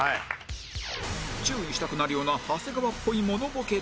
注意したくなるような長谷川っぽいモノボケとは？